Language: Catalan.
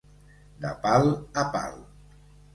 De pal a pal.